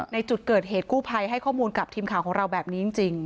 ในจุดเกิดเหตุกู้ภัยให้ข้อมูลกับทีมข่าวของเราแบบนี้จริง